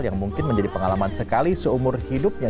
yang mungkin menjadi pengalaman sekali seumur hidupnya